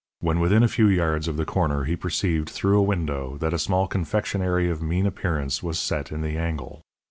When within a few yards of the corner he perceived, through a window, that a small confectionary of mean appearance was set in the angle.